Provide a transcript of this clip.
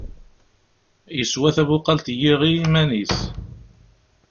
Yeswa tabuqalt n yiɣi iman-is.